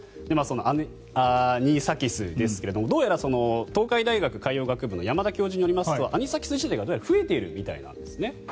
アニサキスですがどうやら東海大学海洋学部の山田教授によりますとアニサキス自体が増えているみたいなんですね。